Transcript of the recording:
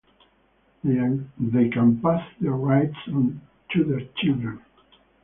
They can pass their rights on to their children.